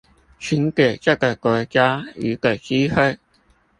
請給這個國家一個機會